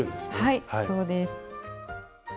はいそうです。